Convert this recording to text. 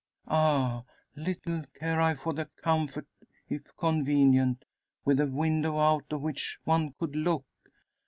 Ah! little care I for the comfort, if convenient, with a window out of which one could look.